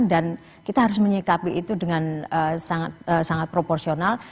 dan kita harus menyikapi itu dengan sangat proporsional